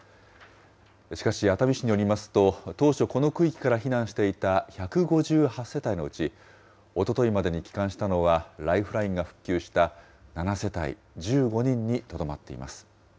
しかし、熱海市によりますと、当初、この区域から避難していた１５８世帯のうち、おとといまでに帰還したのは、ライフラインが復旧した７世帯１５人にとどまっています。